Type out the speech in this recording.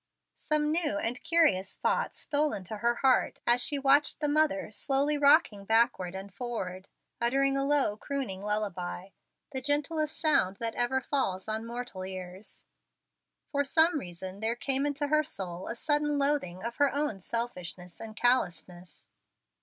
Some new and curious thoughts stole into her heart as she watched the mother slowly rocking backward and forward, uttering a low, crooning lullaby, the gentlest sound that ever falls on mortal ears. For some reason there came into her soul a sudden loathing of her own selfishness and callousness.